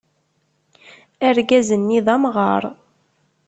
Argaz-nni d amɣaṛ.